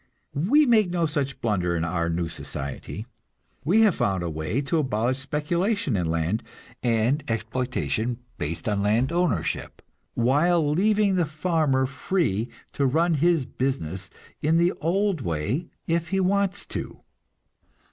We make no such blunder in our new society. We have found a way to abolish speculation in land, and exploitation based on land ownership, while leaving the farmer free to run his business in the old way if he wants to.